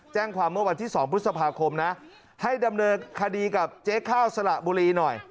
เมื่อวันที่๒พฤษภาคมนะให้ดำเนินคดีกับเจ๊ข้าวสละบุรีหน่อย